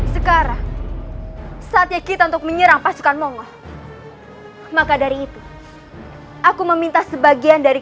sekarang saatnya kita untuk menyerang pasukan mongo maka dari itu aku meminta sebagian dari